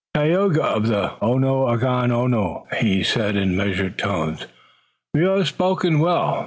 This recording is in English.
"Tayoga of the Onundagaono," he said in measured tones, "you have spoken well.